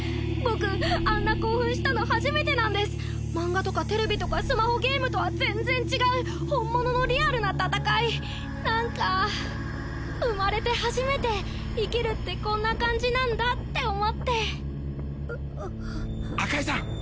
僕あんな興奮したの初めてなんですマンガとかテレビとかスマホゲームとは全然違う本物のリアルな戦い何か生まれて初めて生きるってこんな感じなんだって思って赤井さん！